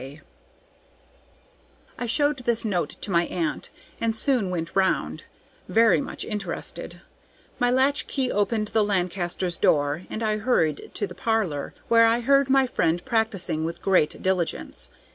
K. I showed this note to my aunt, and soon went round, very much interested. My latch key opened the Lancasters' door, and I hurried to the parlor, where I heard my friend practising with great diligence.